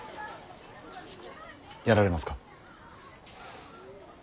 やられますか。